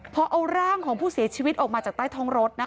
พอเอาร่างของผู้เสียชีวิตออกมาจากใต้ท้องรถ